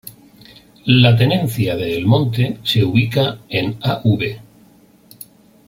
La Tenencia de El Monte se ubica en Av.